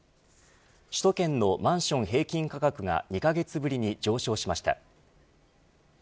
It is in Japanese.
首都圏のマンション平均価格が２カ月ぶりに上昇しました。